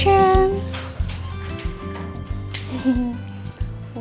ini yang terbaik